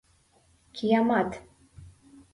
Киямат!..